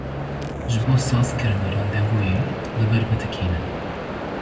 Ji bo sazkirina randevûyê li vir bitikînin.